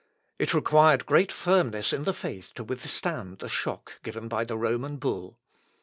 It required great firmness in the faith to withstand the shock given by the Roman bull.